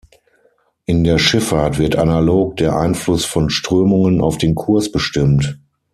In der Schifffahrt wird analog der Einfluss von Strömungen auf den Kurs bestimmt.